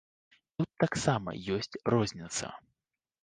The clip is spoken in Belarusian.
Тут таксама ёсць розніца.